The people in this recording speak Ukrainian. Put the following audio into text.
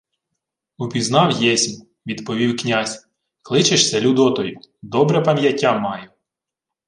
— Упізнав єсмь, — відповів князь — Кличешся Людотою. Добре пам'яття маю.